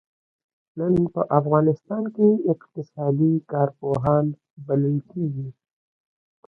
نن په افغانستان کې اقتصادي کارپوهان بلل کېږي.